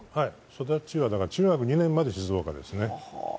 育ちは中学２年まで静岡ですね。